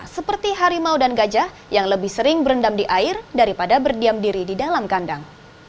seperti harimau dan gajah yang lebih sering berendam di air daripada berdiam diri di dalam kandang